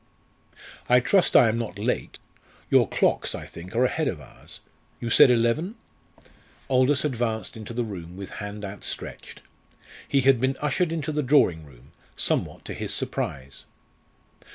"I trust I am not late. Your clocks, I think, are ahead of ours. You said eleven?" Aldous advanced into the room with hand outstretched. He had been ushered into the drawing room, somewhat to his surprise.